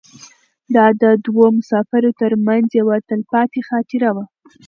دا د دوو مسافرو تر منځ یوه تلپاتې خاطره وه.